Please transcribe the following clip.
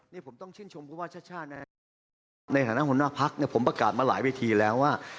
ในฐานะหัวหน้าภักดิ์ผมประกาศมาหลายวิธีแล้วว่า